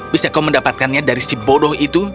bisa kau mendapatkannya dari si bodoh itu